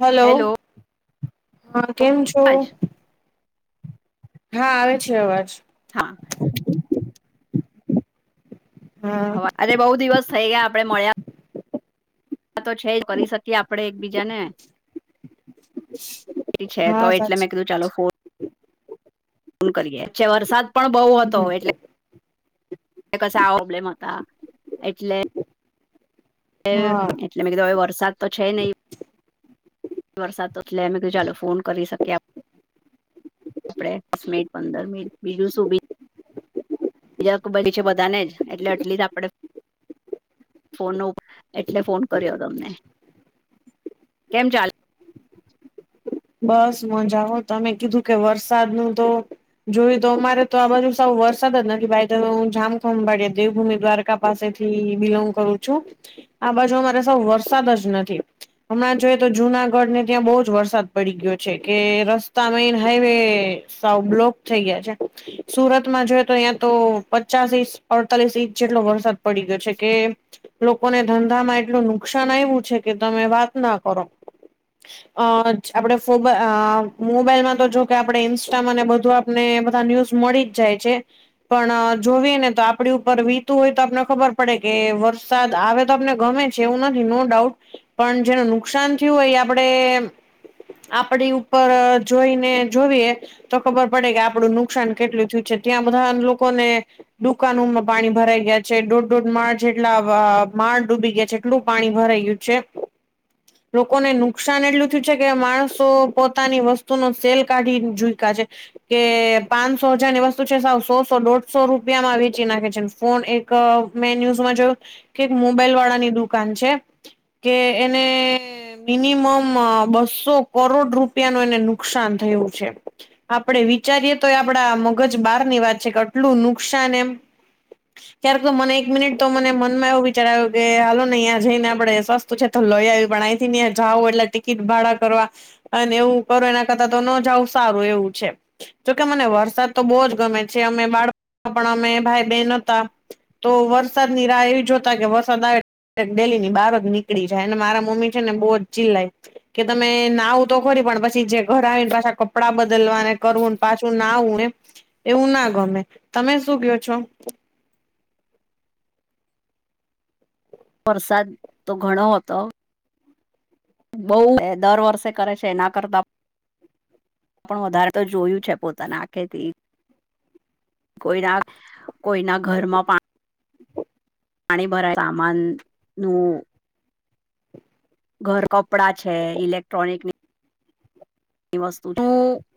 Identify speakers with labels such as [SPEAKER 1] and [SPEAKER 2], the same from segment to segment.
[SPEAKER 1] Hello
[SPEAKER 2] hello
[SPEAKER 1] હા કેમ છો?
[SPEAKER 2] અવાજ
[SPEAKER 1] હા આવે છે અવાજ.
[SPEAKER 2] હા.
[SPEAKER 1] હા.
[SPEAKER 2] અવા અરે બહુ દિવસ થઈ ગયા આપે મળ્યા તો છે જ કરી શકીએ આપડે એકબીજાને ફ્રી છે
[SPEAKER 1] હા
[SPEAKER 2] તો એટલે મેં
[SPEAKER 1] સાચી
[SPEAKER 2] કીધું ચાલો ફન કરી એચ્છે. વરસાદ પણ બહુ હતો
[SPEAKER 1] હમ
[SPEAKER 2] એટલે ક આ પ્રબ્લેમ હતા એટલે
[SPEAKER 1] હા
[SPEAKER 2] એટલે મે કીધૂ હવે વરસાદ તો છે નય. વરસાદ તો લે મે કે ચાલો ફોન કરી શક્યા. આપડે દસ મિનિટ પંદર મિનિટ બીજું સુ. [unintelligible] છે બધાને જ એટલે એટલી જ આપડે ફોન ન એટલે ફોન કર્યો તમને. કેમ ચાલે?
[SPEAKER 1] બસ મજામા. તમે કીધું કે વરસાદ નુ તો. જોયું તો અમારે તો આ બાજુ સાવ વરસાદ જ નથી. બાય ધ વે તો હું જામખંભાળિયા દેવભૂમિ દ્વારકા પાસેથી બિલોંગ કરું છું. આ બાજુ અમારે સાવ વરસાદ જ નથી. હમણાં જોઈએ તો જુનાગઢ ને ત્યાં બહુ જ વરસાદ પડી ગયો છે કે રસ્તા મેન હાઈવે સાવ બ્લોક થઈ ગયા છે. સુરતમાં જોય તો ત્યાં તો પચાસ ઇંચ અડતાલીસ ઇંચ જેટલો વરસાદ પડી ગયો છે કે. લોકોને ધંધામાં એટલું નુકસાન આવ્યું છે કે તમે વાત ના કરો. અ. આપડે ફોબ અ મોબાઈલમાં તો જો કે આપણે ઈન્સ્ટા માંને બધું આપને બધા ન્યુઝ મળી જાય છે પણ જોવીએ ને તો આપડી ઉપર વીતું હોય તો આપને ખબર પડે કે વર્ષ વરસાદ આવે તો આપને ગમે છે એવું નથી નો ડાઉટ, પણ જેને નુકસાન થયું હોય એ આપણે. આપડી ઉપર જોઈને જોવીએ. તો ખબર પડે કે આપડું નુકસાન કેટલું થયું છે ત્યાં બધા લોકોને. દુકાનોમાં પાણી ભરાઈ ગયા છે, દોઢ દોઢ માળ જેટલા માળ ડૂબી ગયા છે એટલું પાણી ભરાઈ ગયું. છે લોકોને નુકસાન એટલું થયું છે કે કે માણસો પોતાની વસ્તુ નો સેલ કાઢી ચૂક્યા છે. કે પાંચસો- હજારની વસ્તુ છે સાવ સો-સો દોઢસો રૂપિયામાં વેચી નાખે છે ફોન એક મેં ન્યૂઝમાં જોયું કે એક મોબાઈલ વાળા ની દુકાન છે. કે એને મિનિમમ બસો બસો કરોડ રૂપિયા નુ એને નુકસાન થયું છે. આપડે વિચારીએ તોય આપડા મગજ બહાર ની વાત છે કે આટલું નુકસાન એમ.
[SPEAKER 2] હ [inaudible]
[SPEAKER 1] ક્યારેક તો મને એક મિનિટ તો મને મનમાં એવું વિચાર આવ્યું કે હાલો ને જ્યાં જઈ ને આપડે સસ્ત છે તો લઈ આવી પણ આયથી ને જાવ એટલે ટિકિટ ભાડા કરવા અને એવું કરો એના કરતા તો ન જાવું સારું એવું છે. જોકે મને વરસાદ તો બહુ જ ગમે છે અમે બાળ પણ અમે ભાઈ બેન હતા. તો વરસાદની રાહ એવી જોતા કે વરસાદ આવે ડેલી ની બહાર જ નીકળી જાય અને મારા મમ્મી છે ને બહુ જિલ્લાઈ કે તમે નાવું તો ખરી પણ પછી જે ઘરે આવી ને પાછા કપડાં બદલવાને કરવું ને પાછું નાવું એવું ના ગમે. તમે શું કયો છો?
[SPEAKER 2] વરસાદ તો ઘણો હતો. બઉ દર વર્ષે કરે છે એના કરતા પણ વધારે તો જોયું છે. પોતાના આંખે થી. કોઈના કોઈના ઘરમાં પાણી. પાણી ભરાય સામાન નું. ઘર-કપડાં છે ઇલેક્ટ્રોનિકની વસ્તુ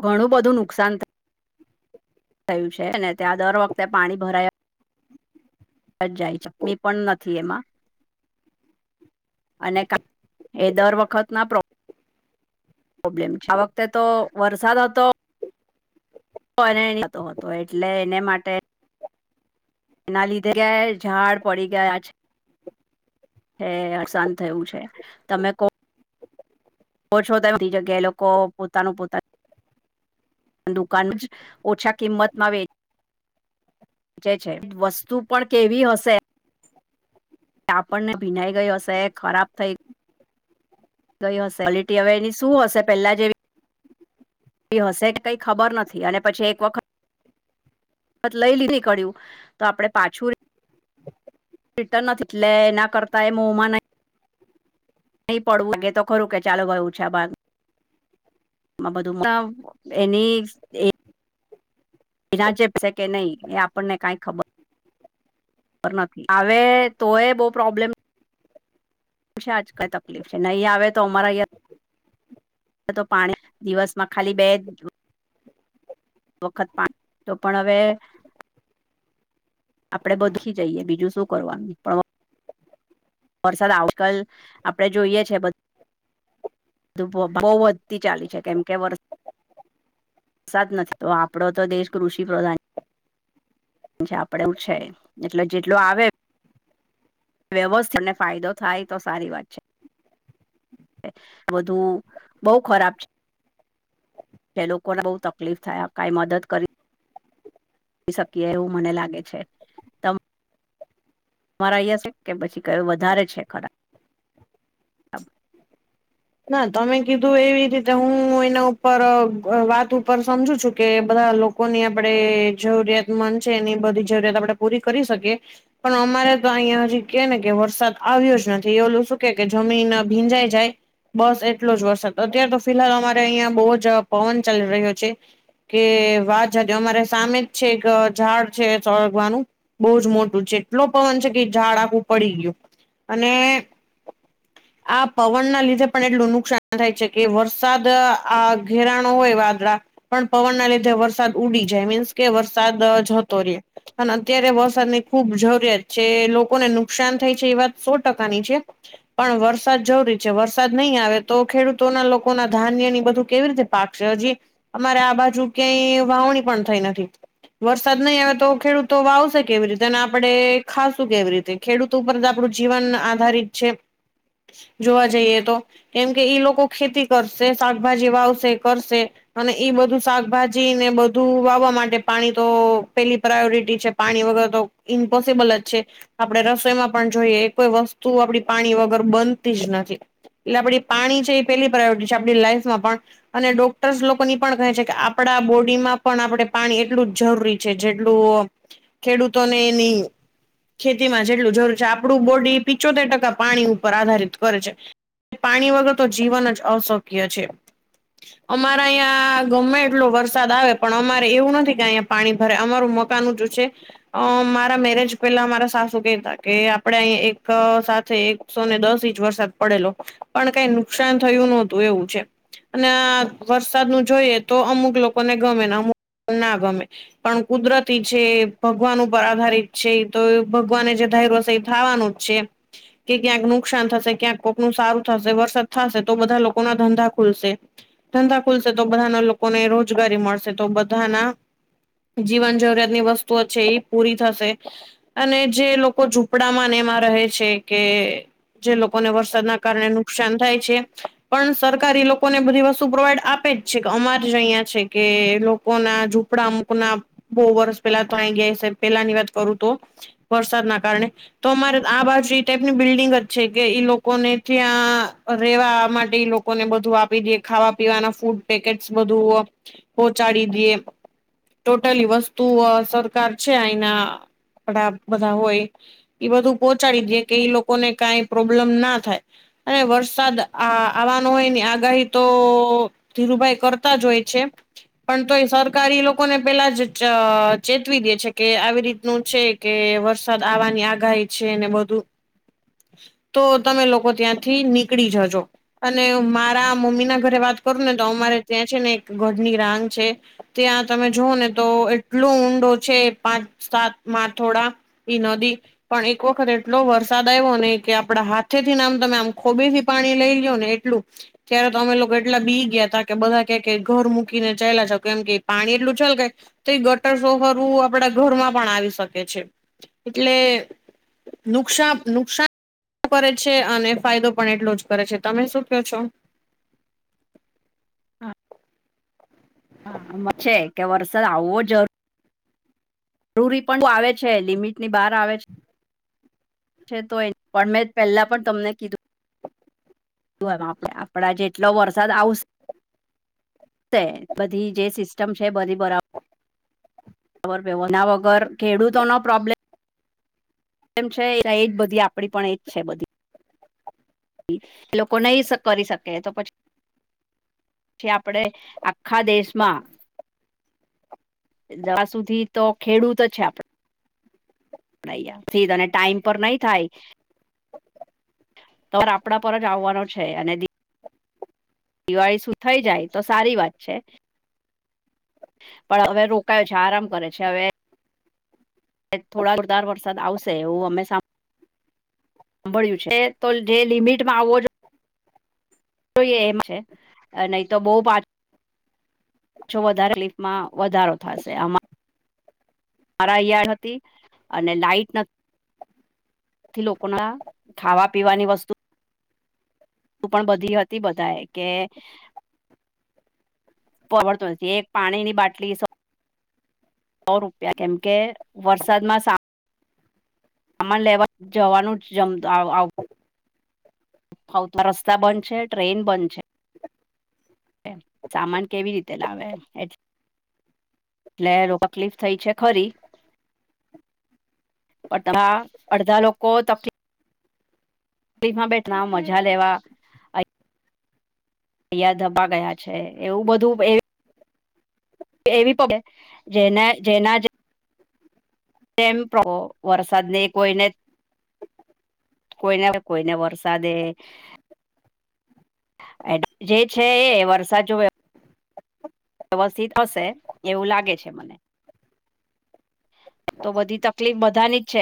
[SPEAKER 2] ઘણું બધું નુકસાન થ થયું છે ને ત્યાં દર વખતે પાણી ભરાયા જાય ચટણી પણ નથી એમાં. અને [unintelligible] એ દર વખત ના. પ્રોબ્લેમ છે. આ વખતે તો વરસાદ હતો. ણીતો હતો એટલે એને માટે. એના લીધે કેટલાક જગ્યા એ ઝાડ પડી ગયા છે. હે અસાન થયું છે તમે કો. ઓ છો તમે બધી જગ્યાએ લોકો પોતાનું પોતાનું. દુકાન જ ઓછા કિંમત માં વેચ ચે છે વસ્તુ પણ કેવી હશે? કે આપણ ને ભીનાઈ ગઈ હશે, ખરાબ થઈ ગઈ હશે ક્વોલિટી હવે એની શું હશે પહેલા જેવી હશેટ કઈ ખબર નથી અને પછી એક વખત લઈ લીધી કડ્યું તો આપડે પાછું રિટર્ન નથી એટલે એના કરતા એ મોમાં ન નહી પડવું અંગે તો ખરું કે ચાલો ગયુ છે ભાગ માં બધું એની એ વિરાજપે છે કે નહીં એ આપણને કાઈ ખબર ર નથી હ તોય બહ પ્રોબ્લેમ શ છે આજ કઈ તકલીફ છેને, અહીં આવે તો અમારા અં તો પાણી દિવસમાં ખાલી બે વખત પાણી તો પણ હવે આપડે બધી જઈએ બીજું શું કરવાનું પણ વરસાદ આવકલ આપડે જોઈએ છે બધ બહુ વધતી ચાલી છે, કેમ કે વર્ સા જ નથી તો આપડો તો દેશ કૃષિ પ્રધાન આપડે એવ છે એટલે જેટલું આવે. વ્યવસ્થત અને ફાયદો થાય તો સારી વાત છે બધું બઉ ખરાબ છે. એ લોકોને બહુ તકલીફ થયા કઈ મદદ કરી આપ શકીએ એવું મને લાગે છે. મારા અહીં છે કે પછી કયું વધારે છે ખરાબ
[SPEAKER 1] ના તમે કીધું એવી રીતે હું એના ઉપર વાત ઉપર સમજુ છું કે બધા લોકો લોકોની આપણે જરૂરિયાતમંદ છે એની બધી જરૂરિયાત આપણે પૂરી કરી શકીએ પણ અમારે તો અહીયા હજી કે ને કે વરસાદ આવ્યો જ નથી એલું શું કે કે જમીન ભીંજાઈ જાય બસ એટલો જ વરસાદ અત્યારે તો ફિહાલ અમારે અહિયાં બહુ જ પવન ચાલી રહ્યો છે. કે વા જાજો અમારે સામે જ છે એક ઝાડ છે સરગવાનું બહુજ મોટું છે એટલો પવન છે કે ઝાડ આખું પડી ગયું અને આ પવનના લીધે પણ એટલું નુકસાન થાય છે કે વરસાદ આ ઘેરાણો હોય વાદળા પણ પવનના લીધે વરસાદ ઉડી જાય મીન્સ કે વરસાદ જતો ર અને અત્યારે વરસાદની ખુબ જરૂરિયાત છે લોકોને નુકસાન થાય છે એ વાત સો ટકાની છે. પણ વરસાદ જરૂરી છે વરસાદ વરસાદ નહીં આવે તો ખેડૂતો ના લોકો ના ધાન્યની બધું કેવી રીતે પાકશે હજી અમારે આ બાજુ ક્યાંય વાવણી પણ થઈ નથી વરસાદ નહીં આવે તો ખેડૂતો વાવશે કેવી રીતે અને આપણે ખાશું કેવી રીતે ખેડૂતો ઉપર આપણું જીવન આધારિત છે.
[SPEAKER 2] [inaudible]
[SPEAKER 1] જોવા જઈએ તો કેમ કે ઈ લોકો ખેતી કરશે શાકભાજી વાવશે કરશે અને ઈ બધું શાકભાજી ને બધું વાવવા માટે પાણી તો પેલી પ્રાયોરિટી છે. પાણી વગર તો ઇમ્પોસિબલ જ છે. આપણે રસોઈમાં પણ જોઈએ એ કોઈ વસ્તુ આપડી પાણી વગર બનતી જ નથી. એટલે આપડી પાણી છે એ પેલી પ્રાયોરિટી છે આપણી લાઈઇફમાં પણ અને ડોક્ટર્સ લોકો ની પણ કહે છે કે આપડા બોડી માં પણ આપણે પાણી એટલું જ જરૂરી છે. જેટલું ખેડૂતોને એની ખેતીમાં જેટલું જરૂર છે આપણું બોડી પિચોતેર ટકા પાણી ઉપર આધારિત કરે છે. પાણી વગર તો જીવન જ અશક્ય છે.
[SPEAKER 2] [inaudible]
[SPEAKER 1] અમારા અહીં ગમે એટલો વરસાદ આવે પણ અમારે એવું નથી કે અહીં પાણી ભરાય અમારું મકાન ઉંચું છે. અ મારા મેરેજ પેલા મારા સાસુ કતા કે આપડે અહીં એક સાથે એકસો ને દસ ઇંચ વરસાદ પડેલો પણ કઈ નુકસાન થયું નહોતું એવું છે. અને વરસાદ નું જોઈએ તો અમુક લોકોને ગમે અમુક ના ગમે પણ કુદરતી છે. ભગવાન ઉપર આધારિત છે. તો ભગવાને જે ધાયરુ છે એ થવાનું. જેમ કે ક્યાંક નુકસાન થશે ક્યાંક. લોકનું સારું થશે વરસાદ થશે તો બધા લોકોના ધંધા ખુલશે. ધંધા ખુલશે તો બધાના લોકોને રોજગારી મળશે તો બધાના. જીવન જરૂરિયાત ની વસ્તુઓ છે, એ પૂરી થશે. અને જે લોકો ઝૂપડામાંને એમાં રહે છે, કે જે લોકોને વર્ષ. વર્ષાના કારણે નુકસાન થાય છે, પણ સરકાર એ લોકોને બધી વસ્તુ પ્રોવાઈડ આપે જ. છે, કે અમાર જ અહિયાં છે, કે લોકો ના ઝૂપડા અમુક ના. બઉુ વર્ષ પેલા તો અહીં ગયા છે. પેલા ની વાત કરું તો. વરસાદના કારણે તો અમારે આ બાજુ એ ટાઈપની બિલ્ડિંગ જ છે, કે લોકો. લોકોને ત્યાં રહેેવા માટે લોકોને બધું આપી દે ખાવા પીવાના ફૂડ. પેકેટ બધું પહોંચાડી દઈએ. ટોટલી વસ્તુ સરકાર છે. અહીના આપડા બધા હોય. એ બધું પહોંચાડી દે કે એઈ લોકોને કઈ પ્રોબ્લેમ ના થાય અને વરસાદ આ આવાનો હોય ની આગાહી તો. ધીરુભાઈ કરતા જ હોય છે. પણ તો એ સરકારી લોકોને પેલા જ ચેતવી દે છે, કે આવી રીતનું છે. કે વરસાદ આવવાની આગાહી છે. ને બધું
[SPEAKER 2] [unintelligible]
[SPEAKER 1] તો તમે લોકો ત્યાંથી નીકળી જજો અને મારા મમ્મી ના ઘરે વાત. કરું ને તો અમારે ત્યાં છે, ને એક ગઢની રાંગ છે. ત્યાં તમે જોઓ ને તો એટલુ ઊંડો છે. પાંચ સાત માં થોડા. ઈ નદી પણ એક વખત એટલો વરસાદ આવ્યો ને કે આપડા હાથ. થી આમ તમે આમ ખોબીથી પાણી લઈ લો ને એટલું. ત્યારે તો અમે લોકો એટલા બી ગયા હતા કે બધા ક ઘર મૂકીને ચાયલા જાવો કેમ કે પાણી એટલું છેલ ગાય. તો એ ગટર સોફરવું આપડા ઘરમાં પણ આવી શકે છે. એટલે. નુકસાપ નુકસાન. કરે છે અને ફાયદો પણ એટલો જ કરે છે તમે શું કો છો?
[SPEAKER 2] છે કે વરસાદ આવવો જ. [unintelligible] જરૂરી પણ આવે છે. લિમિટ ની બહાર આવે છે. છે તો એ પણ મેં પહેલા પણ તમને કીધું. આપે આપડા જેટલો વરસાદ આવશે. બધી જે સિસ્ટમ છે બધી બરા. એના વગર ખેડૂતો નો પ્રોબ્લેમ. એમ છે એજ બધી આપડી પણ એજ છે. બધી. એ લોકો નહી કરી શકે તો પછી? આપડે આખા દેશમાં જવા સુધી તો ખેડૂત જ છે, આપડે. [unintelligible] સી અને ટાઈમ પર નહી થાય તોર આપણા પર જ આવવાનો છે અને દિવાળી શું થાઈ જાય તો સારી વાત છે. પણ હવે રોકાયો છે, આરામ કરે છે. હવે થોડા જોરદાર વરસાદ આવશે એવું અમે સામ- સાંભળ્યું છે, તો જે લિમિટમાં આવવો જોએ. જોએ એમ છે, નહી તો બહ પાછ. જો વધારે લીફમાં વધારો થશે આ. મારા યળ [unintelligible] હતી અને લાઈટ નથી. થી લોકોના ખાવા પીવાની વસ્તુ. ુ પણ બધી હતી બધા એ કે. પડતો નથી એક પાણી ની બાટલી સો રૂપિયા કેમ કે વરસાદ માં સા- સામાન લેવા જવાનું જમ- આવ તો રસ્તા બંધ છે ટ્રેન બંધ છે. સામાન કેવી રીતે લાવે એટલે તકલીફ થઈ છે ખરી- અડધા લોકો તકલીફ- તકલીફમાં બેઠલા મજા લેવા- અહયા ધબા ગયા છે એવું બધું- એવી પગે જેના જેના- તેમ વરસાદને કોઈને- કોઈને કોઈને વરસાદે જે છે એ વરસાદ જો- વ્યવસ્થિત હશે એવું લાગે છે મને- તો બધી તકલીફ બધાની જ છે.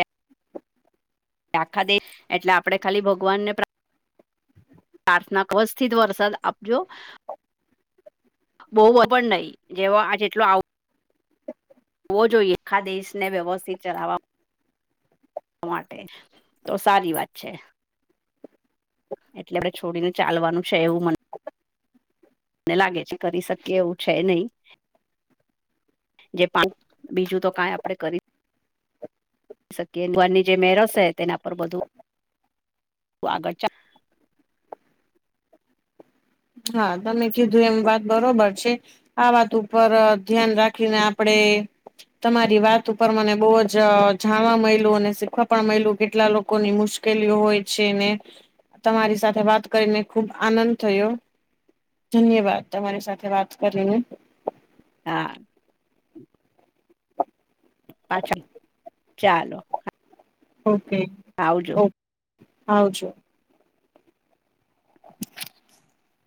[SPEAKER 2] આખા દેશ એટલે આપડણે ખાલી ભગવાન ને પ્રાર્થના - -કારાર્થના ક વવસ્થી જ વરસાદ આપજો. બહુ પણ નહી જેવો આ જેટલો આવ- હો જો એકખા દેશ ને વ્યવસ્થિત ચલાવવા માટે તો સારી વાત છે. એટલે આપણે છોડીને ચાલવાનું છે એવું મને- મને લાગે છે કરી શકીએ એવું છે નહી- જે પાંચ બીજું તો કઈ આપડે કરી- શકીુરની જે મેરસ તેના પર બધું આગળ ચ-
[SPEAKER 1] હા તમે કીધું એમ વાત બરોબર છે આ વાત ઉપર ધ્યાન રાખ- ખીને આપણેે- તમારી વાત ઉપર મને બહ જ જાણવા મળલું અને શીખવા પણ મળલું કેટલા લોકોની મુશ્કેલ- ઉકેલી હોય છે ને તમારી સાથે વાત કરીને ખુબ આનંદ થયો. ધન્યવાદ તમારી સાથે વાત કરીને-
[SPEAKER 2] હા પાછા ચાલો-
[SPEAKER 1] ઓકે- ઓ
[SPEAKER 2] આવાવજો-
[SPEAKER 1] આવજો.